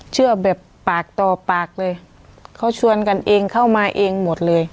เชื่อแบบปากต่อปากเลยเขาชวนกันเองเข้ามาเองหมดเลย